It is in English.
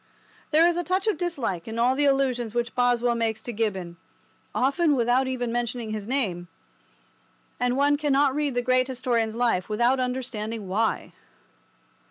There is a touch of dislike in all the allusions which Boswell makes to Gibbon—often without even mentioning his name—and one cannot read the great historian's life without understanding why.